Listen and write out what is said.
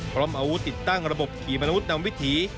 พร้อมอาวุธติดตั้งระบบขี่มนุษนำวิถี